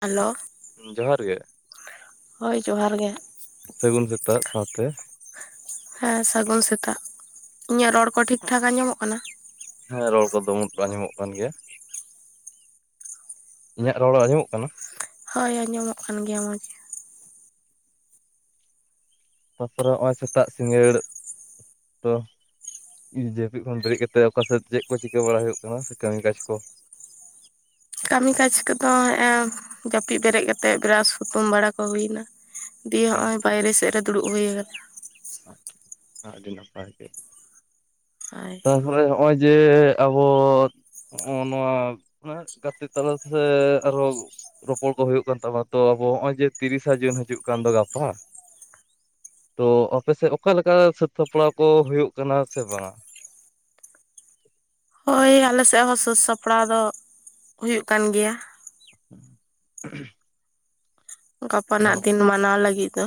Hello ᱡᱚᱦᱟᱨ ᱜᱮ᱾ ᱦᱳᱭ ᱡᱚᱦᱟᱨ ᱜᱮ᱾ ᱥᱟᱹᱜᱩᱱ ᱥᱮᱛᱟᱜ ᱥᱟᱶᱛᱮ, ᱦᱮᱸ ᱥᱟᱹᱜᱩᱱ ᱥᱮᱛᱟᱜ ᱤᱧᱟᱹᱜ ᱨᱚᱲ ᱠᱚ ᱴᱷᱤᱠᱴᱷᱟᱠ ᱟᱸᱡᱚᱢᱚᱜ ᱠᱟᱱᱟ ᱾ ᱦᱮᱸ ᱨᱚᱲ ᱠᱚᱫᱚ ᱩᱢᱩᱴ ᱟᱸᱡᱚᱢᱚᱜ ᱠᱟᱱ ᱜᱮᱭᱟ ᱾ ᱤᱧᱟᱹᱜ ᱨᱚᱲ ᱟᱸᱡᱚᱢᱚᱜ ᱠᱟᱱᱟ ᱾ ᱦᱳᱭ ᱟᱸᱡᱚᱢᱚᱜ ᱠᱟᱱ ᱜᱮᱭᱟ ᱢᱚᱸᱡᱽ ᱜᱮ᱾ ᱛᱟᱨᱯᱚᱨᱮ ᱱᱚᱜ-ᱚᱭ ᱥᱮᱛᱟᱜ ᱥᱤᱸᱜᱟᱹᱲ [inaudible] ᱛᱚ ᱡᱟᱹᱯᱤᱫ ᱠᱷᱚᱱ ᱵᱮᱨᱮᱫ ᱠᱟᱛᱮᱫ ᱚᱠᱟ ᱥᱮᱫ ᱪᱮᱫ ᱠᱚ ᱪᱤᱠᱟᱹ ᱵᱟᱲᱟ ᱦᱩᱭᱩᱜ ᱠᱟᱱᱟ ᱠᱟᱹᱢᱤ ᱠᱟᱡᱽ ᱠᱚ᱾ ᱠᱟᱹᱢᱤ ᱠᱟᱡᱽ ᱠᱚᱫᱚ ᱦᱮᱸᱜ ᱮᱢ ᱡᱟᱹᱯᱤᱫ ᱵᱮᱨᱮᱫ ᱠᱟᱛᱮᱫ ᱵᱨᱟᱥ ᱦᱩᱛᱩᱢ ᱵᱟᱲᱟ ᱠᱚ ᱦᱩᱭ ᱮᱱᱟ᱾ ᱫᱤᱭᱮ ᱦᱮᱸ ᱦᱚᱸᱜ-ᱚᱭ ᱵᱟᱭᱨᱮ ᱥᱮᱫ ᱨᱮ ᱫᱩᱲᱩᱵ ᱦᱩᱭ ᱟᱠᱟᱱᱟ᱾ ᱟᱦ ᱟᱹᱰᱤ ᱱᱟᱯᱟᱭ ᱜᱮ᱾ ᱦᱳᱭ ᱛᱟᱨᱯᱚᱨᱮ ᱱᱚᱜ-ᱚᱭ ᱡᱮ ᱟᱵᱚ ᱱᱚᱜ ᱱᱚᱣᱟ ᱢᱟᱱᱮ ᱜᱟᱛᱮ ᱛᱟᱞᱟ ᱥᱮ ᱟᱨᱦᱚᱸ ᱜᱩᱜ ᱨᱚᱯᱚᱲ ᱠᱚ ᱦᱩᱭᱩᱜ ᱠᱟᱱ ᱛᱟᱵᱚᱱᱟ ᱛᱚ, ᱟᱵᱚ ᱱᱚᱜ-ᱚᱭ ᱡᱮ ᱛᱤᱨᱤᱥᱟ ᱡᱩᱱ ᱦᱤᱡᱩᱜ ᱠᱟᱱ ᱫᱚ ᱜᱟᱯᱟ᱾ ᱛᱚ ᱟᱯᱮ ᱥᱮᱫ ᱚᱠᱟ ᱞᱮᱠᱟ ᱥᱟᱹᱛ ᱥᱟᱯᱲᱟᱣ ᱠᱚ ᱦᱩᱭᱩᱜ ᱠᱟᱱᱟ ᱥᱮ ᱵᱟᱝᱟ᱾ ᱦᱳᱭ ᱟᱞᱮ ᱥᱮᱫ ᱦᱚᱸ ᱥᱟᱹᱛ ᱥᱟᱯᱲᱟᱣ ᱫᱚ ᱦᱩᱭᱩᱜ ᱠᱟᱱ ᱜᱮᱭᱟ᱾ [inaudible] [unintelligible] ᱜᱟᱯᱟ ᱱᱟᱜ ᱫᱤᱱ ᱢᱟᱱᱟᱣ ᱞᱟᱹᱜᱤᱫ ᱫᱚ᱾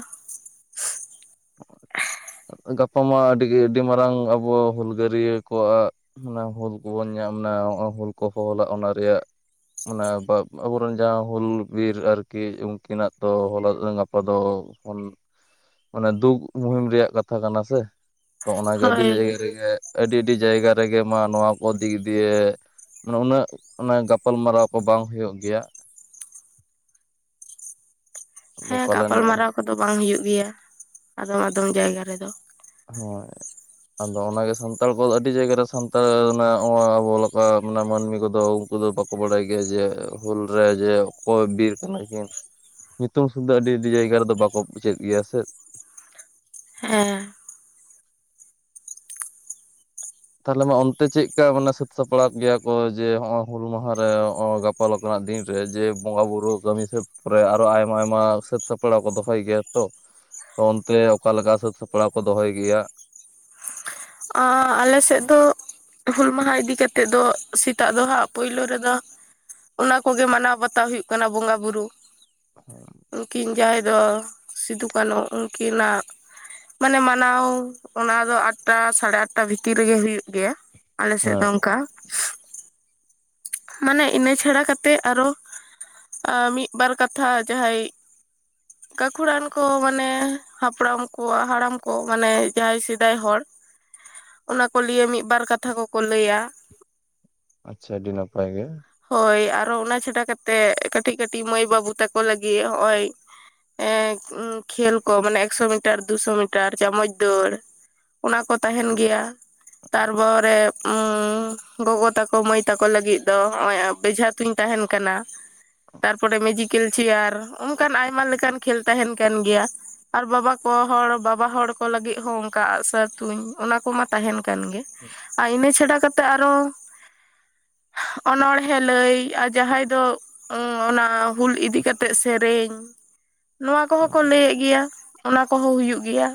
ᱜᱟᱯᱟ ᱢᱟ ᱟᱹᱰᱤ ᱜᱮ ᱟᱹᱰᱤ ᱢᱟᱨᱟᱝ ᱟᱵᱚ ᱦᱩᱞᱜᱟᱹᱨᱭᱟᱹ ᱠᱚᱣᱟᱜ ᱚᱱᱟ ᱦᱩᱞ ᱠᱚᱵᱚᱱ ᱧᱟᱢ ᱱᱟ ᱦᱩᱞ ᱠᱚᱠᱚ ᱦᱚᱦᱚᱞᱟ ᱚᱱᱟ ᱨᱮᱭᱟᱜ ᱢᱟᱱᱮ ᱟᱵᱚᱨᱮᱱ ᱡᱟᱦᱟᱸ ᱦᱩᱞ ᱵᱤᱨ ᱟᱨᱠᱤ ᱩᱱᱠᱤᱱᱟᱜ ᱫᱚ ᱦᱚᱞᱟ ᱜᱟᱯᱟ ᱫᱚ ᱵᱚᱱ ᱢᱟᱱᱮ ᱫᱩᱠ ᱢᱩᱦᱤᱢ ᱨᱮᱭᱟᱜ ᱠᱟᱛ ᱠᱟᱛᱷᱟ ᱠᱟᱱᱟ ᱥᱮ ᱛᱚ ᱚᱱᱟᱜᱮ ᱟᱹᱰᱤ ᱦᱳᱭ ᱡᱟᱭᱜᱟ ᱨᱮᱜᱮ, ᱟᱹᱰᱤ ᱟᱹᱰᱤ ᱡᱟᱭᱜᱟ ᱨᱮᱜᱮ ᱢᱟ ᱱᱚᱣᱟ ᱠᱚ ᱫᱤᱠ ᱫᱤᱭᱮ᱾ ᱢᱟᱱᱮ ᱩᱱᱟᱹᱜ ᱮ ᱜᱟᱯᱟᱞ ᱢᱟᱨᱟᱣ ᱠᱚ ᱵᱟᱝ ᱦᱩᱭᱩᱜ ᱜᱮᱭᱟ᱾ ᱟᱫᱚ ᱦᱮᱸ ᱯᱟᱞᱮᱱ ᱜᱟᱯᱟᱞᱢᱟᱨᱟᱣ ᱠᱚᱫᱚ ᱵᱟᱝ ᱦᱩᱭᱩᱜ ᱜᱮᱭᱟ, ᱟᱫᱚᱢ ᱟᱫᱚᱢ ᱡᱟᱭᱜᱟ ᱨᱮᱫᱚ᱾ ᱦᱳᱭ ᱟᱫᱚ ᱚᱱᱟ ᱜᱮ ᱥᱟᱱᱛᱟᱲ ᱠᱚ ᱟᱹᱰᱤ ᱡᱟᱭᱜᱟ ᱨᱮ ᱥᱟᱱᱛᱟᱲ ᱨᱮᱱᱟᱜ ᱟᱵᱚ ᱞᱮᱠᱟ ᱢᱟᱹᱱᱢᱤ ᱠᱚᱫᱚ ᱩᱱᱠᱩ ᱫᱚ ᱵᱟᱠ- ᱠᱚ ᱵᱟᱲᱟᱭ ᱜᱮᱭᱟ ᱡᱮ, ᱦᱩᱞ ᱨᱮ ᱡᱮ, ᱚᱠᱚᱭ ᱵᱤᱨ ᱠᱟᱱᱟ ᱠᱤᱱ᱾ ᱧᱩᱛᱩᱢ ᱥᱩᱫᱩ ᱟᱹᱰᱤ ᱟᱹᱰᱤ ᱡᱟᱭᱜᱟ ᱨᱮᱫᱚ ᱵᱟᱠᱚ ᱯᱩᱪᱟᱭᱮᱫ ᱜᱮᱭᱟ ᱥᱮ᱾ ᱦᱮᱸ ᱛᱟᱦᱚᱞᱮ ᱢᱟ, ᱚᱱᱛᱮ ᱪᱮᱫ ᱢᱟᱱᱮ ᱥᱟᱹᱛ ᱥᱟᱯᱲᱟᱣ ᱜᱮᱭᱟ ᱠᱚ ᱡᱮ, ᱱᱚᱜ-ᱚᱭ ᱦᱩᱞ ᱢᱟᱦᱟᱸ ᱨᱮ ᱜᱟᱯ ᱯᱟ ᱞᱮᱠᱟᱱᱟᱜ ᱫᱤᱱ ᱨᱮ ᱡᱮ ᱵᱚᱸᱜᱟ ᱵᱩᱨᱩ ᱠᱟᱹᱢᱤ ᱥᱟᱹᱛ ᱯᱚᱨᱮ ᱟᱨᱚ ᱟᱭᱢᱟ ᱟᱭᱢᱟ ᱥᱟᱹᱛ ᱥᱟᱯᱲᱟᱣ ᱠᱚ ᱫᱚᱦᱚᱭ ᱜᱮᱭᱟ ᱛᱚ᱾ ᱛᱚ ᱚᱱᱛᱮ ᱚᱠᱟ ᱞᱮᱠᱟ ᱥᱟᱹᱛ ᱥᱟᱯᱲᱟᱣ ᱠᱚ ᱫᱚᱦᱚᱭ ᱜᱮᱭᱟ᱾ ᱟ ᱟᱞᱮᱥᱮᱫ ᱫᱚ ᱦᱩᱞ ᱢᱟᱦᱟᱸ ᱤᱫᱤ ᱠᱟᱛᱮᱫ ᱫᱚ ᱥᱮᱛᱟᱜ ᱫᱚᱦᱟᱸᱜ ᱯᱩᱭᱞᱳ ᱨᱮᱫᱚ ᱚᱱᱟ ᱠᱚᱜᱮ ᱢᱟᱱᱟᱣ ᱵᱟᱛᱟᱣ ᱦᱩᱭᱩᱜ ᱠᱟᱱᱟ ᱵᱚᱸᱜᱟ ᱵᱩᱨᱩ᱾ [unintelligible] ᱩᱱᱠᱤᱱ ᱡᱟᱦᱟᱸᱭ ᱫᱚ ᱥᱤᱫᱩ ᱠᱟᱹᱱᱦᱩ ᱩᱱᱠᱤᱱᱟᱜ ᱢᱟᱱᱮ ᱢᱟᱱᱟᱣ ᱚᱱᱟ ᱫᱚ ᱟᱴᱴᱟ ᱥᱟᱲᱮ ᱟᱴ ᱴᱟ ᱵᱷᱤᱛᱤᱨ ᱨᱮᱜᱮ ᱦᱩᱭᱩᱜ ᱜᱮᱭᱟ ᱟᱞᱮᱥᱮᱫ ᱫᱚ ᱦᱮᱸ ᱚᱱᱠᱟ᱾ ᱢᱟᱱᱮ ᱤᱱᱟᱹ ᱪᱷᱟᱲᱟ ᱠᱟᱛᱮᱜ ᱟᱨᱚ, ᱮ ᱢᱤᱫ ᱵᱟᱨ ᱠᱟᱛᱷᱟ ᱡᱟᱦᱟᱸᱭ [inaudible] ᱜᱟᱹᱠᱷᱩᱲᱟᱱ ᱠᱚ ᱢᱟᱱᱮ ᱦᱟᱯᱲᱟᱢ ᱠᱚᱣᱟᱜ ᱦᱟᱲᱟᱢ ᱠᱚ ᱢᱟᱱᱮ ᱡᱟᱦᱟᱸᱭ ᱥᱮᱫᱟᱭ ᱦᱚᱲ᱾ [inaudible] ᱚᱱᱟ ᱠᱚ ᱞᱤᱭᱮ ᱢᱤᱫ ᱵᱟᱨ ᱠᱟᱛᱷᱟ ᱠᱚᱠᱚ ᱞᱟᱹᱭᱟ᱾ ᱟᱪᱪᱷᱟ ᱟᱹᱰᱤ ᱱᱟᱯᱟᱭ ᱜᱮ᱾ ᱦᱳᱭ ᱟᱨᱚ ᱚᱱᱟ ᱪᱷᱟᱰᱟ ᱠᱟᱛᱮᱜ ᱠᱟᱹᱴᱤᱡ ᱠᱟᱹᱴᱤᱡ ᱢᱟᱹᱭ ᱵᱟᱹᱵᱩ ᱛᱟᱠᱚ ᱞᱟᱹᱜᱤᱫ ᱦᱚᱜ-ᱚᱭ ᱮᱸ ᱠᱷᱮᱞ ᱠᱚ ᱢᱟᱱᱮ ᱮᱠᱥᱚ ᱢᱤᱴᱟᱨ ᱫᱩᱥᱚ ᱢᱤᱴᱟᱨ ᱪᱟᱢᱚᱪ ᱫᱟᱹᱲ ᱚᱱᱟ ᱠᱚ ᱛᱟᱦᱮᱱ ᱜᱮᱭᱟ᱾ ᱛᱟᱨᱯᱚᱨᱮ ᱚᱸ ᱜᱚᱜᱚ ᱛᱟᱠᱚ ᱢᱟᱹᱭ ᱛᱟᱠᱚ ᱞᱟᱹᱜᱤᱫ ᱫᱚ ᱱᱚᱜ-ᱚᱭ ᱵᱮᱡᱷᱟ ᱛᱩᱧ ᱛᱟᱦᱮᱱ ᱠᱟᱱᱟ᱾ ᱛᱟᱨᱯᱚᱨᱮ ᱢᱮᱡᱤᱠ ᱠᱤᱞᱪᱤᱭᱟᱨ ᱚᱱᱠᱟᱱ ᱟᱭᱢᱟ ᱞᱮᱠᱟᱱ ᱠᱷᱮᱞ ᱛᱟᱦᱮᱱ ᱠᱟᱱ ᱜᱮᱭᱟ᱾ ᱟᱨ ᱵᱟᱵᱟ ᱠᱚ ᱦᱚᱲ ᱵᱟᱵᱟ ᱦᱚᱲ ᱠᱚ ᱞᱟᱹᱜᱤᱫ ᱦᱚᱸ ᱚᱱᱠᱟ ᱟᱜ-ᱥᱟᱨ ᱛᱩᱧ ᱚᱱᱟ ᱠᱚᱢᱟ ᱛᱟᱦᱮᱱ ᱠᱟᱱ ᱜᱮ ᱟᱨ ᱤᱱᱟᱹ ᱪᱷᱟᱰᱟ ᱠᱟᱛᱮᱜ ᱟᱨᱚ, [inaudible] ᱚᱱᱚᱬᱦᱮᱸ ᱞᱟᱹᱭ ᱟᱨ ᱡᱟᱦᱟᱸᱭ ᱫᱚ ᱚᱱᱟ ᱦᱩᱞ ᱤᱫᱤ ᱠᱟᱛᱮᱜ ᱥᱮᱨᱮᱧ ᱱᱚᱣᱟ ᱠᱚᱦᱚᱸ ᱠᱚ ᱞᱟᱹᱭᱮᱫ ᱜᱮᱭᱟ᱾ ᱚᱱᱟ ᱠᱚᱦᱚᱸ ᱦᱩᱭᱩᱜ ᱜᱮᱭᱟ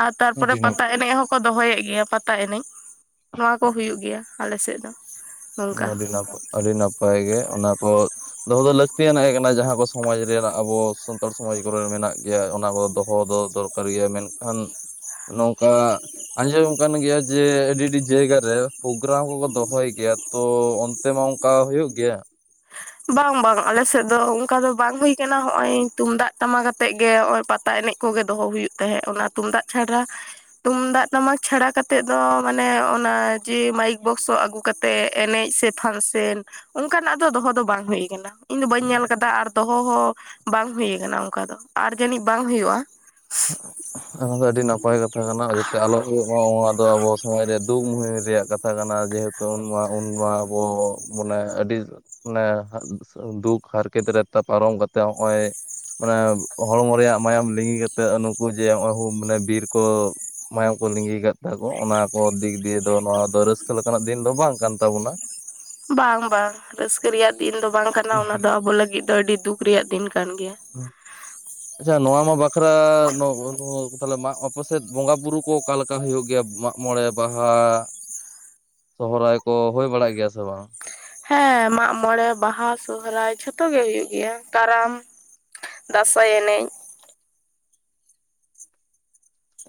ᱟᱨ ᱛᱟᱨᱯᱚᱨᱮ ᱟᱹᱰᱤ ᱱᱟᱯ ᱯᱟᱛᱟ ᱮᱱᱮᱡ ᱦᱚᱸ ᱠᱚ ᱫᱚᱦᱚᱭᱮᱫ ᱜᱮᱭᱟ ᱯᱟᱛᱟ ᱮᱱᱮᱡ, ᱱᱚᱣᱟ ᱠᱚ ᱦᱩᱭᱩᱜ ᱜᱮᱭᱟ ᱟᱞᱮᱥᱮᱫ ᱫᱚ᱾ ᱱᱚᱝᱠᱟ ᱟᱹᱰᱤ ᱱᱟᱯᱟᱭ ᱟᱹᱰᱤ ᱱᱟᱯᱟᱭ ᱜᱮ ᱚᱱᱟ ᱠᱚ ᱫᱚᱦᱚ ᱫᱚ ᱞᱟᱹᱠᱛᱤᱭᱟᱱᱟᱜ ᱜᱮ ᱠᱟᱱᱟ᱾ ᱡᱟᱦᱟᱸ ᱠᱚ ᱥᱚᱢᱟᱡᱽ ᱨᱮᱱᱟᱜ ᱟᱵᱚ ᱥᱟᱱᱛᱟᱲ ᱥᱚᱢᱟᱡᱽ ᱠᱚᱨᱮ ᱢᱮᱱᱟᱜ ᱜᱮᱭᱟ, ᱚᱱᱟ ᱠᱚ ᱫᱚᱦᱚ ᱫᱚ ᱫᱚᱨ ᱠᱟᱨ ᱜᱮᱭᱟ᱾ ᱢᱮᱱᱠᱷᱟᱱ ᱱᱚᱝᱠᱟ ᱟᱸᱡᱚᱢ ᱠᱟᱱ ᱜᱮᱭᱟ ᱡᱮ ᱟᱹᱰᱤ ᱟᱹᱰᱤ ᱡᱟᱭᱜᱟ ᱨᱮ ᱯᱨᱳᱜᱨᱟᱢ ᱠᱚᱠᱚ ᱫᱚᱦᱚᱭ ᱜᱮᱭᱟ᱾ ᱛᱚ ᱚᱱᱛᱮ ᱢᱟ ᱚᱱᱠᱟ ᱦᱳᱭᱳᱜ ᱜᱮᱭᱟ᱾ ᱵᱟᱝ ᱵᱟᱝ ᱟᱞᱮᱥᱮᱫ ᱫᱚ ᱚᱱᱠᱟ ᱫᱚ ᱵᱟᱝ ᱦᱩᱭ ᱠᱟᱱᱟ ᱦᱚᱜᱼᱚᱭ ᱛᱩᱢᱫᱟᱜ ᱴᱟᱢᱟᱠ ᱟᱛᱮ ᱜᱮ ᱱᱚᱜᱼᱚᱭ ᱯᱟ ᱛᱟ ᱮᱱᱮᱡ ᱠᱚᱜᱮ ᱫᱚᱦᱚ ᱦᱩᱭᱩᱜ ᱛᱟᱦᱮᱸᱫ, ᱚᱱᱟ ᱛᱩᱢᱫᱟᱜ ᱪᱷᱟᱲᱟ ᱛᱩᱢᱫᱟᱜ ᱴᱟᱢᱟᱠ ᱪᱷᱟᱲᱟ ᱠᱟᱛᱮᱜ ᱫᱚ ᱢᱟᱱᱮ ᱚᱱᱟ ᱡᱮ ᱢᱟᱭᱤᱠ ᱵᱚᱠᱥ ᱟᱹᱜᱩ ᱠᱟᱛᱮ ᱮᱱᱮᱡ ᱥᱮ ᱯᱷᱟᱱᱥᱮᱱ ᱚᱱᱠᱟᱱᱟᱜ ᱫᱚ ᱫᱚᱦᱚ ᱫᱚ ᱵᱟᱝ ᱦᱩᱭ ᱟᱠᱟᱱᱟ᱾ ᱤᱧ ᱫᱚ ᱵᱟᱹᱧ ᱧᱮᱞ ᱟᱠᱟᱫᱟ ᱟᱨ ᱫᱚᱦᱚ ᱦᱚᱸ ᱵᱟᱝ ᱦᱩᱭ ᱟᱠᱟᱱᱟ ᱚᱱᱠᱟ ᱫᱚ ᱟᱨ ᱡᱟᱹᱱᱤᱡ ᱵᱟᱝ ᱦᱩᱭᱩᱜᱼᱟ᱾ [inaudible] ᱚᱱᱟ ᱫᱚ ᱟᱹᱰᱤ ᱱᱟᱯᱟᱭ ᱠᱟᱛᱷᱟ ᱠᱟᱱᱟ᱾ ᱡᱟᱛᱮ ᱟᱞᱚ ᱦᱩᱭᱩᱜ ᱢᱟ ᱱᱚᱣᱟ ᱫᱚ ᱟᱵᱚ ᱥᱚᱢᱟᱡᱽ ᱨᱮ ᱫᱩᱠ ᱢᱩᱦᱤᱢ ᱨᱮᱭᱟᱜ ᱠᱟᱛᱷᱟ ᱠᱟᱱᱟ ᱡᱮᱦᱮ ᱛᱚ ᱩᱱᱢᱟ ᱩᱱᱢᱟ ᱟᱵᱚ ᱢᱟᱱᱮ ᱟᱹᱰᱤ ᱢᱟᱱᱮ ᱫᱩᱠ ᱦᱟᱨᱠᱮᱛ ᱨᱮ ᱯᱟᱨᱚᱢ ᱠᱟᱛᱮᱜ ᱦᱚᱸᱜᱼᱚᱭ ᱢᱟᱱᱮ ᱦᱚᱲᱢᱚ ᱨᱮᱭᱟᱜ ᱢᱟᱭᱟᱢ ᱞᱤᱸᱜᱤ ᱠᱟᱛᱮᱜ ᱱᱩᱠᱩ ᱡᱮ ᱱᱚᱜᱼᱚᱭ ᱢᱟᱱᱮ ᱵᱤᱨ ᱠᱚ ᱢᱟᱭᱟᱝ ᱠᱚ ᱞᱤᱸᱜᱤ ᱟᱠᱟᱫ ᱛᱟᱠᱚ᱾ ᱚᱱᱟ ᱠᱚ ᱫᱤᱠ ᱫᱤᱭᱮ ᱫᱚ ᱱᱚᱣᱟ ᱫᱚ ᱨᱟᱹᱥᱠᱟᱹ ᱞᱮᱠᱟᱱᱟᱜ ᱫᱤᱱ ᱫᱚ ᱵᱟᱝ ᱠᱟᱱ ᱛᱟᱵᱚᱱᱟ᱾ ᱵᱟᱝ ᱵᱟᱝ ᱨᱟᱹᱥᱠᱟᱹ ᱨᱮᱭᱟᱜ ᱫᱤᱱ ᱫᱚ ᱵᱟᱝ ᱠᱟᱱᱟ, ᱚᱱᱟᱫᱚ ᱟᱵᱚ ᱞᱟᱹᱜᱤᱫ ᱫᱚ ᱟᱹᱰᱤ ᱫᱩᱠ ᱨᱮᱭᱟᱜ ᱫᱤᱱ ᱠᱟᱱ ᱜᱮᱭᱟ᱾ ᱦᱮᱸ ᱟᱪᱪᱷᱟ ᱱᱚᱣᱟ ᱢᱟ ᱵᱟᱠᱷᱨᱟ [unintelligible] ᱛᱟᱦᱚᱞᱮ ᱟᱯᱮ ᱥᱮᱫ ᱵᱚᱸᱜᱟ ᱵᱩᱨᱩ ᱠᱚ ᱚᱠᱟᱞᱮᱠ ᱠᱟ ᱦᱩᱭᱩᱜ ᱜᱮᱭᱟ᱾ ᱢᱟᱜ ᱢᱚᱬᱮ, ᱵᱟᱦᱟ, ᱥᱚᱦᱨᱟᱭ ᱠᱚ ᱦᱩᱭ ᱵᱟᱲᱟᱜ ᱜᱮᱭᱟ ᱥᱮ ᱵᱟᱝ? ᱦᱮᱸ ᱢᱟᱜ ᱢᱚᱲᱮ, ᱵᱟᱦᱟ, ᱥᱚᱦᱨᱟᱭ ᱡᱷᱚᱛᱚ ᱜᱮ ᱦᱩᱭᱩᱜ ᱜᱮᱭᱟ᱾ ᱠᱟᱨᱟᱢ, ᱫᱟᱸᱥᱟᱭ ᱮᱱᱮᱡ᱾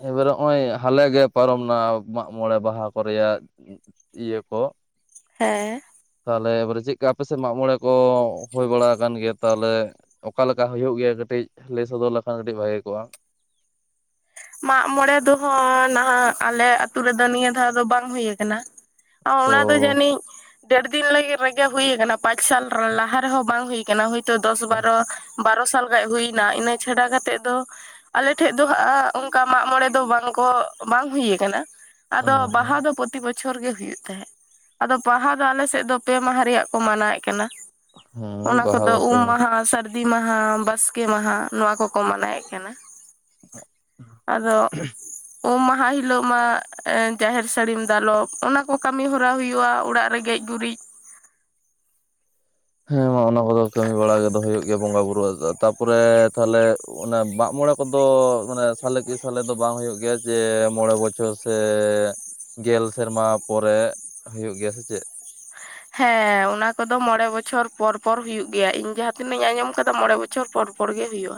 ᱮᱵᱟᱨ ᱱᱚᱜᱼᱚᱭ ᱦᱟᱞᱮᱜᱮ ᱯᱟᱨᱚᱢ ᱱᱟ ᱢᱟᱜ ᱢᱚᱬᱮ, ᱵᱟᱦᱟ ᱠᱚᱨᱮᱭᱟᱜ ᱤᱭᱟᱹ ᱠᱚ᱾ ᱦᱮᱸ ᱛᱟᱦᱚᱞᱮ ᱮᱵᱟᱨᱮ ᱪᱮᱫ ᱞᱮᱠᱟ ᱟᱯᱮ ᱥᱮᱫ ᱢᱟᱜ ᱢᱚᱬᱮ ᱠᱚ ᱦᱩᱭ ᱵᱟᱲᱟ ᱠᱟᱱ ᱜᱮᱭᱟ ᱛᱟᱦᱚᱞᱮ? ᱚᱠᱟ ᱞᱮᱠᱟ ᱦᱳᱭᱳᱜ ᱜᱮᱭᱟ ᱠᱟᱹᱴᱤᱡ ᱞᱟᱹᱭ ᱥᱚᱫᱚᱨ ᱞᱮᱠᱷᱟᱱ ᱠᱟᱹᱴᱤᱡ ᱵᱷᱟᱜᱮ ᱠᱚᱜᱼᱟ‌ ᱾ ᱢᱟᱜᱢᱚᱬᱮ ᱫᱚ ᱱᱟᱦᱟᱜ ᱟᱞᱮ ᱟᱛᱩ ᱨᱮᱫᱚ ᱱᱤᱭᱟᱹ ᱫᱷᱟᱣ ᱫᱚ ᱵᱟᱝ ᱦᱳᱭ ᱠᱟᱱᱟ ᱾ ᱛᱚ ᱚᱱᱟ ᱫᱚ ᱡᱟᱹᱱᱤᱡ ᱰᱮᱲ ᱫᱤᱱ ᱨᱮᱜᱮ ᱦᱩᱭ ᱠᱟᱱᱟ ᱯᱟᱸᱪ ᱥᱟᱞ ᱞᱟᱦᱟ ᱨᱮᱦᱚᱸ ᱵᱟᱝ ᱦᱩᱭ ᱠᱟᱱᱟ ᱦᱳᱭᱛᱳ ᱫᱚᱥ ᱵᱟᱨᱚ ᱵᱟᱨᱚ ᱥᱟᱞ ᱜᱟᱱ ᱦᱩᱭ ᱮᱱᱟ ᱤᱱᱟᱹ ᱪᱷᱟᱰᱟ ᱠᱟᱛᱮᱫ ᱫᱚ ᱟᱞᱮᱴᱷᱮᱡ ᱫᱚ ᱦᱟᱸᱜ ᱚᱱᱠᱟ ᱢᱟᱜ ᱢᱚᱬᱮ ᱫᱚ ᱵᱟᱝ ᱠᱚ ᱵᱟᱝ ᱦᱩᱭ ᱠᱟᱱᱟ ᱟᱫᱚ ᱵᱟᱦᱟ ᱫᱚ ᱯᱨᱚᱛ ᱵᱚᱪᱷᱚᱨ ᱜᱮ ᱦᱩᱭᱩᱜ ᱛᱟᱸᱦᱫ ᱾ ᱟᱫᱚ ᱵᱟᱦᱟ ᱫᱚ ᱟᱞᱮ ᱥᱮᱫ ᱫᱚ ᱯᱮ ᱢᱟᱦᱟ ᱨᱮᱭᱟᱜ ᱠᱚ ᱢᱟᱱᱟᱣᱭᱮᱫ ᱠᱟᱱᱟ ᱾ ᱦᱮᱸ ᱚᱱᱟ ᱵᱟᱦᱟ ᱠᱚᱫᱚ ᱩᱢ ᱵᱟᱯᱮ ᱢᱟᱦᱟ ᱥᱟᱹᱨ ᱫᱤ ᱢᱟᱦᱟ ᱵᱟᱥᱠᱮ ᱢᱟᱦᱟ ᱱᱚᱣᱟ ᱠᱚᱠᱚ ᱢᱟᱱᱟᱣᱭᱮᱫ ᱠᱟᱱᱟ ᱾ ᱟᱫᱚ ᱩᱢ ᱢᱟᱦᱟ ᱦᱤᱞᱳ ᱢᱟ ᱡᱟᱦᱮᱨ ᱥᱟᱹᱲᱤᱢ ᱫᱟᱞᱚᱵ ᱚᱱᱟ ᱠᱚ ᱠᱟᱹᱢᱤ ᱦᱚᱨᱟ ᱦᱳᱭᱳᱜᱼᱟ ᱚᱲᱟᱜ ᱨᱮ ᱜᱮᱡ ᱜᱩᱨᱤᱡ ᱦᱮᱸ ᱢᱟ ᱚᱱᱟ ᱠᱚᱫᱚ ᱠᱟᱹᱢᱤ ᱵᱟᱲᱟ ᱠᱚᱫᱚ ᱦᱳᱭᱳᱜ ᱜᱮᱭᱟ ᱵᱚᱸᱜᱟ ᱵᱩᱨᱩ [unintelligible] ᱛᱟᱯᱚᱨᱮ ᱛᱟᱦᱞᱮ ᱚᱱᱟ ᱢᱟᱜ ᱢᱚᱬᱮ ᱠᱚᱫᱚ ᱢᱟᱱᱮ ᱥᱟᱞᱮ ᱠᱮ ᱥᱟᱞᱮ ᱫᱚ ᱵᱟᱝ ᱦᱩᱭᱩᱜ ᱜᱮᱭᱟ ᱡᱮ ᱢᱚᱬᱮ ᱵᱚᱪᱷᱚᱨ ᱥᱮ ᱜᱮᱞ ᱥᱮᱨᱢᱟ ᱯᱚᱨᱮ ᱦᱩᱭᱩᱜ ᱜᱮᱭᱟ ᱥᱮ ᱪᱮᱫ‌? ᱦᱮᱸ ᱚᱱᱟ ᱠᱚᱫᱚ ᱢᱚᱬᱮ ᱵᱚᱪᱷᱚᱨ ᱯᱚᱨ ᱯᱚᱨ ᱦᱩᱭᱩᱜ ᱦᱮᱭᱩᱜᱮᱭᱟ ᱤᱧ ᱡᱟᱦᱟᱸ ᱛᱤᱱᱟᱹᱜ ᱤᱧ ᱟᱸᱡᱚᱢ ᱠᱟᱫᱟ ᱢᱚᱬᱮ ᱵᱚᱪᱷᱚᱨ ᱯᱚᱨ ᱯᱚᱨ ᱜᱮ ᱦᱩᱭᱩᱜ -ᱟ ᱾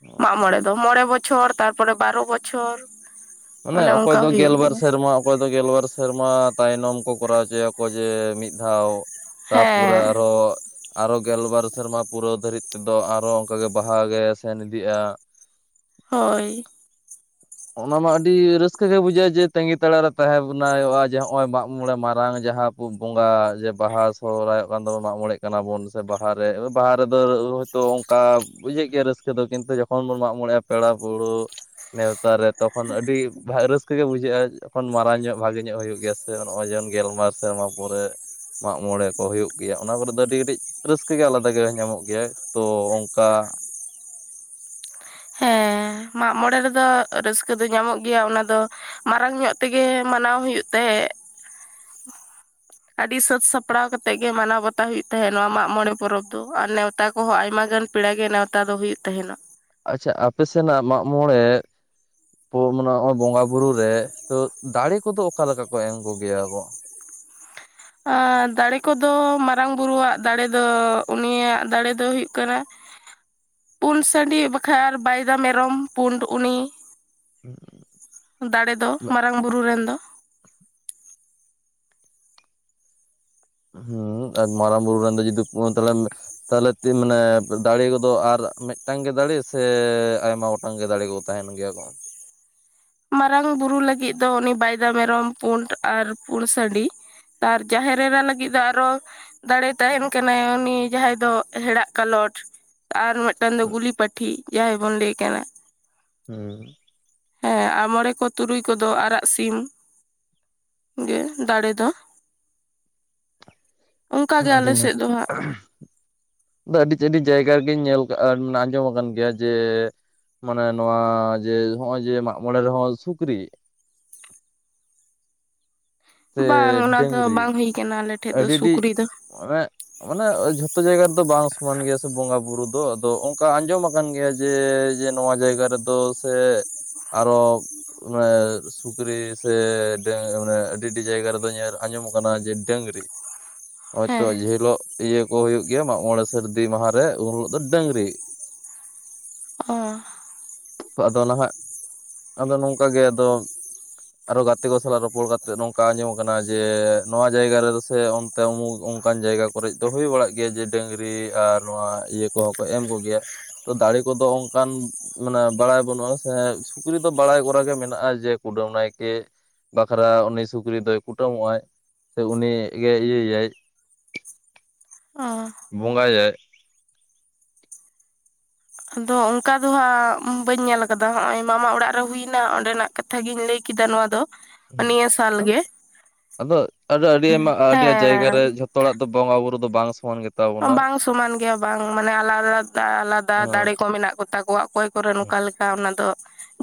ᱦ [inaudible] ᱚᱸ ᱢᱚᱬᱮ ᱫᱚ ᱢᱚᱬᱮ ᱵᱚᱪᱷᱚᱨ ᱛᱟᱨᱯᱚᱨᱮ ᱵᱟᱨᱚ ᱵᱚᱪᱷᱚᱨ, ᱟᱱᱮ ᱚᱱᱮ ᱚᱠᱚᱭ ᱚᱱᱠᱟ ᱫᱚ ᱜᱮᱞ ᱦᱩᱭᱩᱜ ᱵᱟᱨ ᱜᱮᱭᱟ ᱥᱮᱨᱢᱟ ᱚᱠᱚᱭ ᱫᱚ ᱜᱮᱞᱵᱟᱨ ᱥᱮᱨᱢᱟ ᱛᱟᱭᱱᱚᱢ ᱠᱚ ᱠᱚᱨᱟᱣ ᱦᱚᱪᱚᱭᱟᱠᱚ ᱡᱮ ᱢᱤᱫ ᱫᱷᱟᱣ ᱛᱟᱨᱯᱚᱨᱮ ᱦᱮᱸ ᱟᱨᱚ ᱟᱨᱚ ᱜᱮᱞᱵᱟᱨ ᱥᱮᱨᱢᱟ ᱯᱩᱨᱟᱹᱣ ᱫᱷᱟᱹᱨᱤᱡ ᱛᱮᱫᱚ ᱟᱨᱚ ᱚᱱᱠᱟᱜᱮ ᱵᱟᱦᱟ ᱜᱮ ᱥᱮᱱ ᱤᱫᱤᱜᱼᱟ ᱾ ᱦᱳᱭ ᱾ ᱚᱱᱟ ᱢᱟ ᱟᱹᱰᱤ ᱨᱟᱹᱥᱠᱟᱹ ᱜᱮ ᱵᱩᱡᱷᱟᱹᱜᱼᱟ ᱡᱮ ᱛᱟᱺᱜᱤ ᱛᱟᱲᱟᱜᱨᱮ ᱛᱟᱸᱦᱮᱸ ᱵᱚᱱᱟᱭ ᱚᱜᱼᱟ ᱡᱮ ᱱᱚᱜᱼᱚᱭ ᱢᱟᱸᱜ ᱢᱚᱬᱮ ᱢᱟᱨᱟᱝ ᱡᱟᱸᱦᱟᱸ ᱵᱚᱸᱜᱟ ᱡᱮ ᱵᱟᱦᱟ ᱥᱚᱦᱨᱟᱭᱚᱜ ᱠᱟᱱ ᱫᱚᱵᱚᱱ ᱢᱟᱸᱜ ᱢᱚᱬᱮᱜ ᱠᱟᱱᱟ ᱵᱩᱱ ᱥᱮ ᱵᱟᱦᱟ ᱨᱮ ᱵᱟᱦᱟ ᱨᱮᱫᱚ ᱛᱚ ᱚᱝᱠᱟ ᱵᱩᱡᱷᱟᱹᱜ ᱜᱮᱭᱟ ᱨᱟᱹᱥᱠᱟᱹ ᱫᱚ ᱠᱤᱱᱛᱩ ᱡᱚᱠᱷᱚᱱ ᱵᱚᱱ ᱢᱟᱸᱜ ᱢᱚᱬᱮᱜᱼᱟ ᱯᱮᱲᱟ ᱯᱟᱹᱦᱲᱟᱹ ᱟᱨ ᱛᱚᱠᱷᱚᱱ ᱚᱡᱟ ᱨᱟᱹᱮ ᱛᱚᱠᱷᱚᱱ ᱟᱹᱰᱤ ᱵᱷᱟ ᱨᱟᱹᱥ ᱠᱟᱹ ᱜᱮ ᱵᱩᱡᱷᱟᱹᱜᱼᱟ ᱡᱚᱠᱷᱚᱱ ᱢᱟᱨᱟᱝ ᱧᱚᱜ ᱵᱷᱟᱜᱮ ᱧᱚᱜ ᱦᱳᱭᱳᱜ ᱜᱮᱭᱟ ᱥᱮ ᱱᱚᱜᱼᱚᱭ ᱡᱮᱱ ᱜᱮᱞᱢᱟᱨ ᱥᱮᱨᱢᱟ ᱯᱚᱨᱮ ᱢᱟᱸᱜ ᱢᱚᱬᱮ ᱠᱚ ᱦᱳᱭᱩᱜ ᱜᱮᱭᱟ ᱚᱱᱟ ᱠᱚᱨᱮ ᱫᱚ ᱟᱹᱰᱤ ᱠᱟᱹᱴᱤᱡ ᱨᱟᱹᱥᱠᱟᱹ ᱜᱮ ᱟᱞᱟᱫᱟ ᱜᱮ ᱧᱟᱢᱚᱜ ᱜᱮᱭᱟ ᱛᱚ ᱚᱝᱠᱟ ᱦᱮᱸ ᱢᱟᱸᱜ ᱢᱚᱬᱮ ᱨᱮᱫᱚ ᱨᱟᱹᱥᱠᱟᱹ ᱫᱚ ᱧᱟᱢᱚᱜ ᱜᱮᱭᱟ ᱚᱱᱟ ᱫᱚ ᱢᱟᱨᱟᱝ ᱧᱚᱜ ᱛᱮᱜᱮ ᱢᱟᱱᱟᱣ ᱦᱩᱭᱩᱜ ᱛᱟᱦᱮᱜ ᱾ ᱟᱰᱤ ᱥᱟᱹᱛ ᱥᱟᱯᱲᱟᱣ ᱠᱟᱛᱮᱜ ᱜᱮ ᱢᱟᱱᱟᱣ ᱵᱟᱛᱟᱣ ᱦᱩᱭᱩᱜ ᱛᱟᱦᱮᱸᱜ ᱱᱚᱣᱟ ᱢᱟᱸᱜ ᱢᱚᱬᱮ ᱯᱚᱨᱚᱵᱽ ᱫᱚ ᱟᱨ ᱱᱮᱣᱛᱟ ᱠᱚᱸᱦᱚᱸ ᱟᱭᱢᱟ ᱜᱟᱱ ᱯᱮᱲᱟ ᱜᱮ ᱱᱮᱶᱛᱟ ᱫᱚ ᱦᱩᱭᱩᱜ ᱛᱟᱦᱮᱱᱚᱟ ᱾ ᱟᱪᱪᱷᱟ ᱟᱯᱮ ᱥᱮᱱᱟᱜ ᱢᱟᱸᱜ ᱢᱚᱬᱮ ᱯᱳ ᱢᱟᱱᱮ ᱱᱚᱜᱼᱚᱭ ᱵᱚᱸᱜᱟ ᱵᱩᱨᱩ ᱨᱮ ᱛᱚ ᱫᱟᱲᱮ ᱠᱚᱫᱚ ᱚᱠᱟ ᱞᱮᱠᱟ ᱠᱚ ᱮᱢ ᱠᱚᱜᱮᱭᱟ ᱠᱚ? ᱮᱸ ᱫᱟᱲᱮ ᱠᱟᱫᱚ‌ ᱢᱟᱨᱟᱝ ᱵᱩᱨᱩᱣᱟᱜ ᱫᱟᱲᱮ ᱫᱚ ᱩᱱᱤᱭᱟᱜ ᱫᱟᱲᱮ ᱫᱚ ᱦᱩᱭᱩᱜ ᱠᱟᱱᱟ‌ [unintelligible] ᱯᱩᱸᱰ ᱥᱟᱺᱰᱤ ᱵᱟᱠᱷᱟᱡ ᱟᱨ ᱵᱟᱭᱫᱟ ᱢᱮᱨᱚᱢ ᱯᱩᱸᱰ ᱩᱱᱤ ᱫᱟᱲᱮ ᱫᱚ ᱢᱟᱨᱟᱝ ᱵᱩᱨᱩ ᱨᱮᱱ ᱫᱚ ᱾ ᱦᱩᱸ ᱮᱠ ᱢᱟᱨᱟᱝ ᱵᱩᱨᱩ ᱨᱮᱱᱫᱚ ᱡᱩᱫᱤ [unintelligible] ᱛᱟᱦᱞᱮ ᱛᱤᱱ ᱢᱟᱱᱮ ᱫᱟᱲᱮ ᱜᱚᱫᱚᱜ ᱟᱨ ᱢᱤᱫᱴᱟᱝ ᱜᱮ ᱫᱟᱲᱮ ᱥᱮ ᱟᱭᱢᱟ ᱜᱚᱴᱟᱝ ᱜᱮ ᱫᱟᱲᱮ ᱛᱟᱦᱮᱱ ᱜᱮᱭᱟ ᱠᱚ‌᱾ ᱢᱟᱨᱟᱝ ᱵᱩᱨᱩ ᱞᱟᱹᱜᱤᱫ ᱫᱚ ᱩᱱᱤ ᱵᱟᱭᱫᱟ ᱢᱮᱨᱚᱢ, ᱯᱩᱸᱰ, ᱟᱨ ᱯᱩᱸᱰ ᱥᱟᱺᱰᱤ? ᱟᱨ ᱡᱟᱦᱮᱨ ᱮᱨᱟ ᱞᱟᱜᱤᱫ ᱫᱚ ᱟᱨᱚ ᱫᱟᱲᱮ ᱛᱟᱦᱮᱱ ᱠᱟᱱᱟᱭ ᱩᱱᱤ ᱡᱟᱸᱦᱟᱸᱭ ᱫᱚ ᱦᱮᱲᱟᱜ ᱠᱟᱞᱚᱴ ᱾ ᱟᱨ ᱢᱤᱫᱴᱟᱝ ᱫᱚ ᱜᱩᱞᱤ ᱯᱟᱴᱷᱤ ᱡᱟᱸᱦᱟᱸᱭ ᱵᱚᱱ ᱞᱟᱹᱭᱮ ᱠᱟᱱᱟ ᱾ ᱦᱩᱸ ᱾ ᱦᱮᱸ ᱟᱨ ᱢᱚᱬᱮ ᱠᱚ ᱛᱩᱨᱩᱭ ᱠᱚᱫᱚ ᱟᱨᱟᱜ ᱥᱤᱢ ᱡᱮ ᱫᱟᱲᱮ ᱫᱚ ᱚᱱᱠᱟ ᱜᱮ ᱟᱞᱮ ᱟᱹᱰᱤᱱᱟ [inaudible] ᱥᱮᱫ ᱫᱚ ᱦᱟᱸᱜ ᱟᱹᱰᱤᱡ ᱟᱹᱰᱤᱡ ᱡᱟᱭᱜᱟ ᱨᱮᱜᱤᱧ ᱧᱮᱞ ᱠᱟᱜᱼᱟ ᱟᱸᱡᱚᱢ ᱟᱠᱟᱱ ᱜᱮᱭᱟ ᱡᱮ, ᱢᱟᱱᱮ ᱱᱚᱣᱟ ᱡᱮ ᱦᱚᱸᱜᱼᱚᱭ ᱡᱮ ᱢᱟᱸᱜ ᱢᱚᱬᱮ ᱨᱮᱦᱚᱸ ᱥᱩᱠᱨᱤ᱾ ᱥᱮ ᱵᱟᱝ ᱚᱱᱟ ᱫᱚ ᱰᱟᱹᱝᱨᱤ ᱵᱟᱝ ᱦᱩᱭ ᱠᱟᱱᱟ ᱟᱞᱮ ᱴᱷᱮᱡ ᱫᱚ ᱟᱹᱰᱤ ᱟᱹᱰᱤ ᱥᱩᱠᱨᱤ ᱫᱚ ᱢᱟᱱᱮ ᱢᱟᱱᱮ ᱡᱷᱚᱛᱚ ᱡᱟᱭᱜᱟ ᱨᱮᱫᱚ ᱵᱟᱝ ᱥᱚᱢᱟᱱ ᱜᱮᱭᱟ ᱥᱮ ᱵᱚᱸᱜᱟ ᱵᱩᱨᱩ ᱫᱚ, ᱟᱫᱚ ᱚᱝᱠᱟ ᱟᱸᱡᱚᱢ ᱟ ᱠᱟᱱ ᱜᱮᱭᱟ ᱡᱮ, ᱡᱮ ᱱᱚᱣᱟ ᱡᱟᱭᱜᱟ ᱨᱮᱫᱚ ᱥᱮ ᱟᱨᱚ ᱢᱟᱱᱮ ᱥᱩᱠᱨᱤ ᱥᱮ ᱰᱟᱹᱝ ᱢᱟᱱᱮ ᱟᱹᱰᱤ ᱟᱹᱰᱤ ᱡᱟᱭᱜᱟ ᱨᱮᱫᱚ ᱧᱮᱞ ᱟᱸᱡᱚᱢᱚᱜ ᱠᱟᱱᱟ ᱡᱮ, ᱰᱟᱹᱝᱨᱤ᱾ ᱦᱚᱭᱛᱚ ᱦᱮᱸ ᱡᱮ ᱦᱤᱞᱳᱜ ᱤᱭᱟᱹ ᱠᱚ ᱦᱩᱭᱩᱜ ᱜᱮᱭᱟ ᱢᱟᱸᱜ ᱢᱚᱬᱮ ᱥᱟᱹᱨᱫᱤ ᱢᱟᱦᱟ ᱨᱮ ᱩᱱ ᱦᱤᱞᱳᱜ ᱫᱚ ᱰᱟᱹᱝᱨᱤ᱾ [inaudible] ᱚᱸᱻ ᱟᱫᱚ ᱱᱟᱦᱟᱸᱜ, ᱟᱫᱚ ᱱᱚᱝᱠᱟ ᱜᱮ ᱟᱫᱚ ᱟᱨᱚ ᱜᱟᱛᱮ ᱠᱚ ᱥᱟᱞᱟᱜ ᱨᱚᱯᱚᱲ ᱠᱟᱛᱮᱜ ᱱᱚᱝᱠᱟ ᱟᱸᱡᱚᱢ ᱠᱟᱱᱟ ᱡᱮ, ᱱᱚᱣᱟ ᱡᱟᱭᱜᱟ ᱨᱮᱫᱚ ᱥᱮ ᱚᱱᱛᱮ ᱩᱢᱩᱜ ᱚᱝᱠᱟᱱ ᱡᱟᱭᱜᱟ ᱠᱚᱨᱮᱡ ᱫᱚ ᱦᱩᱭ ᱵᱟᱲᱟᱜ ᱜᱮᱭᱟ ᱡᱮ ᱰᱟᱹᱝᱨᱤ ᱟᱨ ᱱᱚᱣᱟ ᱤᱭᱟᱹ ᱠᱚᱸᱦᱚᱸ ᱠᱚ ᱮᱢ ᱠᱚᱜᱮᱭᱟ᱾ ᱛᱚ ᱫᱟᱲᱮ ᱠᱚᱫᱚ ᱚᱝᱠᱟᱱ ᱢᱟᱱᱮ ᱵᱟᱲᱟᱭ ᱵᱟᱹᱱᱩᱜᱼᱟ ᱥᱮ, ᱥᱩᱠᱨᱤ ᱫᱚ ᱵᱟᱲᱟᱭ ᱠᱚᱨᱟ ᱜᱮ ᱢᱮᱱᱟᱜᱼᱟ ᱡᱮ, ᱠᱩᱰᱟᱹᱢ ᱱᱟᱭᱠᱮᱹ ᱵᱟᱠᱷᱨᱟ, ᱩᱱᱤ ᱥᱩᱠᱨᱤ ᱫᱚᱭ ᱠᱩᱴᱟᱹᱢᱚᱜᱼᱟᱭ᱾ ᱥᱮ ᱩᱱᱤ ᱜᱮ ᱤᱭᱟᱹᱭ ᱭᱟᱭ ᱚ ᱵᱚᱸᱜᱟ ᱭᱟᱭ᱾ ᱟᱫᱚ ᱚᱱᱠᱟ ᱫᱚ ᱦᱟᱸᱜ ᱵᱟᱹᱧ ᱧᱮᱞ ᱟᱠᱟᱫᱟ᱾ ᱦᱚᱸᱜᱼᱚᱭ ᱢᱟᱢᱟ ᱚᱲᱟᱜ ᱨᱮ ᱦᱩᱭᱱᱟ ᱚᱸᱰᱮᱱᱟᱜ ᱠᱟᱛᱷᱟ ᱜᱤᱧ ᱞᱟᱹᱭ ᱠᱮᱫᱟ ᱱᱚᱣᱟ ᱫᱚ᱾ ᱦᱮᱸ ᱱᱤᱭᱟᱹ ᱥᱟᱞ ᱟᱹᱣ ᱜᱮ ᱟᱫᱚ ᱟᱹᱰᱤ ᱟᱭᱢᱟ ᱟᱹᱰᱤ ᱡᱟᱭᱜᱟ ᱦᱮᱸ ᱨᱮ ᱡᱷᱚᱛ ᱛᱚ ᱦᱚᱲᱟᱜ ᱫᱚ ᱵᱚᱸᱜᱟ ᱵᱩᱨᱩ ᱫᱚ ᱵᱟᱝ ᱥᱚᱢᱟᱱ ᱜᱮ ᱵᱟᱝ ᱥᱚᱢᱟᱱ ᱜᱮᱭᱟ ᱵᱟᱝ, ᱢᱟᱱᱮ ᱟᱞᱟᱫᱟ ᱟᱞᱟᱫᱟ ᱫᱟᱲᱮ ᱦᱮᱸ ᱠᱚ ᱢᱮᱱᱟᱜ ᱠᱚᱛᱟ ᱠᱚᱣᱟ, ᱚᱠᱚᱭ ᱠᱚ ᱨᱮᱱ ᱦᱮᱸ ᱱᱚᱝᱠᱟ ᱞᱮᱠᱟ ᱚᱱᱟ ᱫᱚ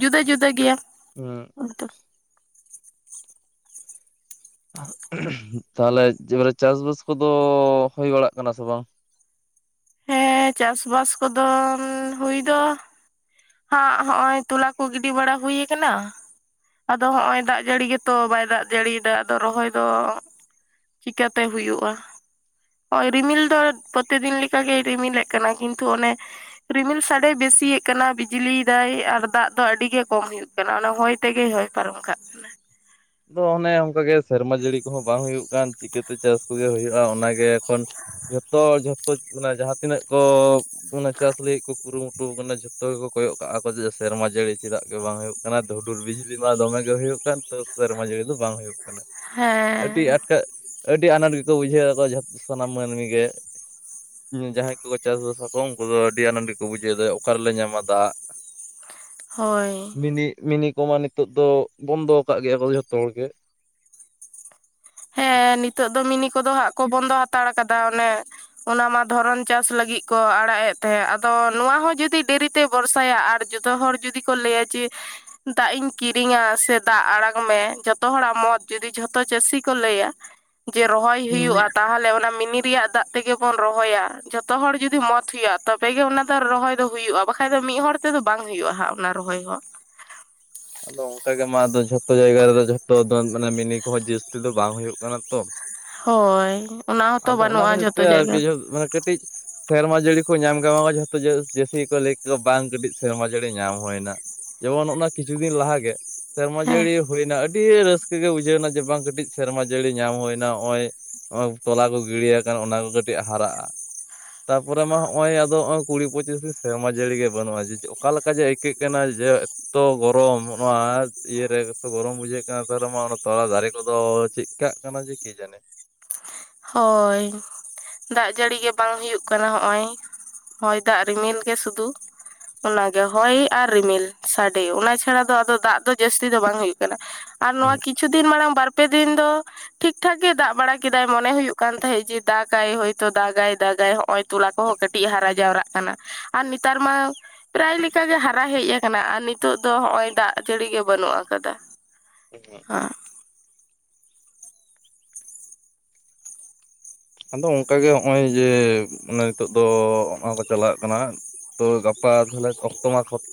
ᱡᱩᱫᱟᱹ ᱡᱩᱫᱟᱹ ᱜᱮᱭᱟ᱾ ᱦᱚᱸ [unintelligible] ᱛᱟᱦᱚᱞᱮ [unintelligible] ᱪᱟᱥᱵᱟᱥ ᱠᱚᱫᱚ ᱦᱩᱭ ᱵᱟᱲᱟᱜ ᱠᱟᱱᱟ ᱥᱮ ᱵᱟᱝ? ᱦᱮᱸ ᱪᱟᱥ ᱵᱟᱥ ᱠᱚᱫᱚ ᱦᱩᱭ ᱫᱚ ᱦᱟᱸ ᱦᱚᱸᱜ ᱚᱭ ᱛᱚᱞᱟ ᱠᱚ ᱜᱤᱰᱤ ᱵᱟᱲᱟ ᱦᱩᱭ ᱟᱠᱟᱱᱟ᱾ ᱟᱫᱚ ᱦᱚᱸᱜ ᱚᱭ ᱫᱟᱜ ᱡᱟᱹᱲᱤ ᱜᱮᱛᱚ ᱵᱟᱭ ᱫᱟᱜ ᱡᱟᱹᱲᱤᱭᱫᱟ ᱟᱫᱚ ᱨᱚᱦᱚᱭ ᱫᱚ, ᱪᱤᱠᱟᱛᱮ ᱦᱩᱭᱩᱜ-ᱟ᱾ ᱱᱚᱭ ᱨᱤᱢᱤᱞ ᱫᱚ ᱯᱨᱚᱛᱤᱫᱤᱱ ᱞᱮᱠᱟᱜᱮ ᱨᱤᱢᱤᱞ ᱮᱫ ᱠᱟᱱᱟ ᱠᱤᱱᱛᱩ ᱚᱱᱮ, ᱨᱤᱢᱤᱞ ᱥᱟᱰᱮ ᱵᱮᱥᱤᱭᱮᱜ ᱠᱟᱱᱟ ᱵᱤᱡᱽᱞᱤᱭ ᱫᱟᱭ ᱟᱨ ᱫᱟᱜ ᱫᱚ ᱟᱹᱰᱤᱜ ᱜᱮ ᱠᱚᱢ ᱦᱩᱭᱩᱜ ᱠᱟᱱᱟ᱾ ᱚᱱᱟ ᱦᱚᱭ ᱛᱮᱜᱮ ᱦᱚᱭ ᱯᱟᱨᱚᱢ ᱠᱟᱜ᱾ ᱠᱟᱱᱟ ᱟᱫᱚ ᱚᱱᱮ ᱚᱱᱠᱟᱜᱮ ᱥᱮᱨᱢᱟ ᱡᱟᱹᱲᱤ ᱠᱚᱦᱚᱸ ᱵᱟᱝ ᱦᱩᱭᱩᱜ ᱠᱟᱱ, ᱪᱤᱠᱟᱹᱛᱮ ᱪᱟᱥ ᱠᱚᱜᱮ ᱦᱩᱭᱩᱜ-ᱟ᱾ ᱚᱱᱟᱜᱮ ᱮᱠᱷᱚᱱ ᱡᱚᱛᱚ ᱡᱚᱛᱚ ᱢᱟᱱᱮ ᱡᱟᱦᱟᱸᱛᱤᱱᱟᱹᱜ ᱠᱚ ᱚᱱᱟ ᱪᱟᱥ ᱞᱟᱹᱜᱤᱫ ᱠᱚ ᱠᱩᱨᱩᱢᱩᱴᱩ ᱴᱩ ᱢᱟᱱᱮ ᱡᱷᱚᱛᱚ ᱜᱮᱠᱚ ᱠᱚᱭᱚᱜ ᱠᱟᱜᱼᱟ ᱠᱚ ᱡᱮ ᱥᱮᱨᱢᱟ ᱡᱟᱹᱲᱤ ᱪᱮᱫᱟᱜ ᱜᱮ ᱵᱟᱝ ᱦᱩᱭᱩᱜ ᱠᱟᱱᱟ, ᱦᱩᱰᱩᱨ ᱵᱤᱡᱽᱞᱤ ᱢᱟ ᱫᱚᱢᱮᱜᱮ ᱜᱮ ᱦᱩᱭᱩᱜ ᱠᱟᱱ᱾ ᱛᱟᱣ ᱥᱮᱨᱢᱟ ᱡᱟᱹᱲᱤ ᱫᱚ ᱵᱟᱝ ᱦᱩᱭᱩᱜ ᱠᱟᱱᱟ᱾ ᱟᱹᱰᱤ ᱦᱮᱸ ᱟᱴᱠᱟ ᱟᱹᱰᱤ ᱟᱱᱟᱴ ᱜᱮ ᱠᱚ ᱵᱩᱡᱷᱟᱹᱣᱟᱠᱚᱣᱟ ᱡᱚᱛ ᱥᱟᱱᱟᱢ ᱢᱟᱹᱱᱢᱤ ᱜᱮ᱾ ᱡᱟᱦᱟᱸᱭ ᱠᱚᱠᱚ ᱪᱟᱥᱵᱟᱥ ᱟᱠᱚ ᱩᱱᱠᱩ ᱫᱚ ᱟᱹᱰᱤ ᱟᱱᱟᱴ ᱜᱮ ᱠᱚ ᱵᱩᱡᱷᱟᱹᱣ ᱮᱫᱟ ᱚᱠᱟ ᱨᱮᱞᱮ ᱧᱟᱢᱟ ᱫᱟᱜ᱾ [inaudible] ᱦᱳᱭ ᱢᱤᱱᱤ ᱢᱤᱱᱤ ᱠᱚᱢᱟ ᱱᱤᱛᱚᱜ ᱫᱚ, ᱵᱚᱱᱫᱚ ᱟᱠᱟᱫ ᱜᱮᱭᱟ ᱠᱚ ᱡᱷᱚᱛᱚ ᱦᱚᱲ ᱜᱮ᱾ ᱦᱮᱸ ᱱᱤᱛᱚᱜ ᱫᱚ ᱢᱤᱱᱤ ᱠᱚ ᱫᱚ ᱦᱟᱸᱜ ᱠᱚ ᱵᱚᱱᱫᱚ ᱦᱟᱛᱟᱲ ᱟᱠᱟᱫᱟ ᱚᱱᱮ᱾ ᱚᱱᱟᱢᱟ ᱫᱷᱚᱨᱚᱱ ᱪᱟᱥ ᱞᱟᱹᱜᱤᱫ ᱠᱚ ᱟᱲᱟᱜ ᱮᱫ ᱛᱟᱦᱮᱸᱜ, ᱟᱫᱚ ᱱᱚᱣᱟ ᱦᱚᱸ ᱡᱩᱫᱤ ᱰᱮᱨᱤᱛᱮ ᱵᱷᱚᱨᱥᱟᱭᱟ ᱟᱨ ᱡᱚᱛᱚ ᱦᱚᱲ ᱡᱩᱫᱤ ᱠᱚ ᱞᱟᱹᱭᱟ ᱡᱮ, ᱫᱟᱜ ᱤᱧ ᱠᱤᱨᱤᱧᱟ ᱥᱮ ᱫᱟᱜ ᱟᱲᱟᱜᱽ ᱢᱮ᱾ ᱡᱷᱚᱛᱚ ᱦᱚᱲᱟᱜ ᱢᱚᱸ ᱡᱩᱫᱤ ᱡᱷᱚᱛᱚ ᱪᱟᱹᱥᱤ ᱠᱚ ᱞᱟᱹᱭᱟ, ᱡᱮ ᱨᱚᱦᱚᱭ ᱦᱩᱸ ᱦᱩᱭᱩᱜ-ᱟ᱾ ᱛᱟᱦᱚᱞᱮ ᱚᱱᱟ ᱢᱤᱱᱤ ᱨᱮᱭᱟᱜ ᱫᱟᱜ ᱛᱮᱜᱮ ᱵᱚᱱ ᱨᱚᱦᱚᱭᱟ᱾ ᱡᱷᱚᱛᱚ ᱦᱚᱲ ᱡᱩᱫᱤ ᱢᱚᱛ ᱦᱩᱭᱩᱜ-ᱟ ᱛᱚᱵᱽ ᱛᱮᱜᱮ ᱚᱱᱟ ᱫᱚ ᱨᱚᱦᱚᱭ ᱫᱚ ᱦᱩᱭᱩᱜ-ᱟ ᱵᱟᱠᱷᱟᱡ ᱫᱚ ᱢᱤᱜ ᱦᱚᱲ ᱛᱮᱫᱚ ᱵᱟᱝ ᱦᱩᱭᱩᱜ-ᱟ ᱦᱟᱸᱜ ᱚᱱᱟ ᱨᱚᱦᱚᱭ ᱦᱚᱸ ᱾ ᱟᱫᱚ ᱚᱱᱠᱟ ᱜᱮ ᱢᱟ ᱟᱫᱚ ᱡᱷᱚᱛᱚ ᱡᱟᱭᱜᱟ ᱨᱮᱫᱚ ᱡᱷᱚᱛᱚ ᱫᱚ ᱢᱟᱱᱮ ᱢᱤᱱᱤ ᱠᱚᱦᱚᱸ ᱡᱟᱹᱥᱛᱤ ᱫᱚ ᱵᱟᱝ ᱦᱩᱭᱩᱜ ᱠᱟᱱᱟ ᱛᱚ ᱾ ᱦᱳᱭ ᱾ ᱟᱫᱚ ᱚᱱᱟ ᱠᱷᱟᱹᱛᱤᱨ ᱛᱮ ᱟᱨᱠᱤ [unintelligible] ᱢᱟᱱᱮ ᱠᱟᱹᱴᱤᱡ ᱥᱮᱨᱢᱟ ᱡᱟᱹᱲᱤ ᱠᱚ ᱧᱟᱢ ᱠᱮᱫ ᱵᱟᱝ ᱡᱚᱛᱚ ᱡᱟᱹᱥᱛᱤ ᱠᱚ ᱞᱟᱹᱭ ᱠᱮᱣᱟ ᱵᱟᱝ ᱠᱟᱹᱴᱤᱡ ᱥᱮᱨᱢᱟ ᱡᱟᱹᱲᱤ ᱧᱟᱢ ᱦᱩᱭᱮᱱᱟ ᱾ ᱡᱮᱢᱚᱱ ᱚᱱᱟ ᱠᱤᱪᱷᱩ ᱫᱤᱱ ᱞᱟᱦᱟ ᱜᱮ ᱥᱮᱨᱢᱟ ᱦᱮᱸ ᱡᱟᱹᱲᱤ ᱦᱩᱭᱮᱱᱟ ᱟᱹᱰᱤ ᱨᱟᱹᱥᱠᱟᱹ ᱜᱮ ᱵᱩᱡᱷᱟᱹᱣ ᱮᱱᱟ ᱡᱮ ᱵᱟᱝ ᱠᱟᱹᱴᱤᱡ ᱥᱮᱨᱢᱟ ᱡᱟᱹᱲᱤ ᱧᱟᱢ ᱦᱩᱭᱮᱱᱟ ᱦᱚᱜ-ᱚᱭ ᱾ ᱛᱚᱞᱟ ᱠᱚ ᱜᱤᱲᱤᱭᱟᱠᱟᱱ ᱚᱱᱟ ᱠᱚ ᱠᱟᱹᱴᱤᱡ ᱦᱟᱨᱟᱜ-ᱟ ᱾ ᱛᱟᱯᱚᱨᱮ ᱢᱟ ᱦᱚᱸᱜ-ᱚᱭ ᱟᱫᱚ ᱦᱚᱜ-ᱚᱭ ᱠᱩᱲᱤ ᱯᱚᱸᱪᱤᱥ ᱥᱮᱨᱢᱟ ᱡᱟᱹᱲᱤ ᱜᱮ ᱵᱟᱹᱱᱩᱜ-ᱟ ᱡᱮ ᱚᱠᱟ ᱞᱮᱠᱟ ᱡᱮ ᱠᱟᱹᱜ ᱠᱟᱱᱟ ᱡᱮ ᱮᱛᱚ ᱜᱚᱨᱚᱢ ᱱᱚᱣᱟ ᱤᱭᱟᱹᱨᱮ, ᱮᱛᱚ ᱜᱚᱨᱚᱢ ᱵᱩᱡᱷᱟᱹᱜ ᱠᱟᱱᱟ [unintelligible] ᱨᱮ ᱢᱟ ᱚᱱᱟ ᱛᱚᱞᱟ ᱫᱟᱨᱮ ᱠᱚ ᱫᱚ ᱪᱮᱫ ᱪᱤᱠᱟᱜ ᱠᱟᱱᱟ ᱡᱮ ᱠᱮ ᱡᱟᱱᱮ ᱾ ᱦᱳᱭ ᱾ ᱫᱟᱜ ᱡᱟᱹᱲᱤ ᱜᱮ ᱵᱟᱝ ᱦᱩᱭᱩᱜ ᱠᱟᱱᱟ ᱦᱚᱜᱼᱚᱭ ᱦᱚᱭ, ᱫᱟᱜ, ᱨᱤᱢᱤᱞ ᱜᱮ ᱥᱩᱫᱩ ᱾ ᱚᱱᱟ ᱜᱮ ᱦᱚᱭ ᱟᱨ ᱨᱤᱢᱤᱞ ᱥᱟᱰᱮ ᱚᱱᱟ ᱪᱷᱟᱲᱟ ᱫᱚ ᱟᱫᱚ ᱫᱟᱜ ᱫᱚ ᱡᱟᱹᱥᱛᱤ ᱫᱚ ᱵᱟᱝ ᱦᱩᱭᱩᱜ ᱠᱟᱱᱟ ᱾ ᱟᱨ ᱱᱚᱣᱟ ᱠᱤᱪᱷᱩ ᱫᱤᱱ ᱢᱟᱲᱟᱝ ᱵᱟᱨ ᱯᱮ ᱫᱤᱱ ᱫᱚ ᱴᱷᱤᱠ ᱴᱷᱟᱠ ᱜᱮ ᱫᱟᱜ ᱵᱟᱲᱟ ᱠᱮᱫᱟᱭ ᱾ ᱢᱚᱱᱮ ᱦᱩᱭᱩᱜ ᱠᱟᱱ ᱛᱟᱦᱮᱸᱫ ᱡᱮ ᱫᱟᱜᱟᱭ ᱦᱚᱭᱛᱳ ᱫᱟᱜᱟᱭ ᱫᱟᱜᱟᱭ ᱦᱚᱜᱼᱚᱭ ᱛᱚᱞᱟ ᱠᱚᱦᱚᱸ ᱠᱟᱹᱴᱤᱡ ᱦᱟᱨᱟ ᱡᱟᱣᱨᱟᱜ ᱠᱟᱱᱟ ᱟᱨ ᱱᱮᱛᱟᱨ ᱢᱟ ᱯᱨᱟᱭ ᱞᱮᱠᱟ ᱜᱮ ᱦᱟᱨᱟ ᱦᱮᱡ ᱟᱠᱟᱱᱟ ᱟᱨ ᱱᱤᱛᱚᱜ ᱫᱚ ᱦᱚᱜ-ᱚᱭ ᱫᱟᱜ ᱡᱟᱹᱲᱤ ᱜᱮ ᱵᱟᱹᱱᱩᱜ ᱟᱠᱟᱫᱟ ᱾ ᱩᱸ ᱦᱩᱸ [unintelligible] ᱦᱟᱸ ᱾ ᱟᱫᱚ ᱚᱱᱠᱟ ᱜᱮ ᱦᱚᱜ-ᱚᱭ ᱡᱮ ᱚᱱᱮ ᱱᱤᱛᱚᱜ ᱫᱚ [unintelligible] ᱠᱚ ᱪᱟᱞᱟᱜ ᱠᱟᱱᱟ ᱾ ᱛᱚ ᱜᱟᱯᱟ ᱛᱟᱦᱮ ᱚᱠᱛᱚᱢ ᱠᱷᱚᱛ